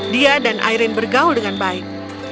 dia dan airin bergaul dengan baik